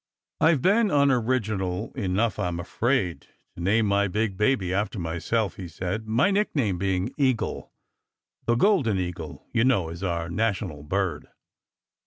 "I ve been unoriginal enough, I m afraid, to name my big baby after myself," he said, " my nickname being Eagle. The golden eagle, you know, is our national bird."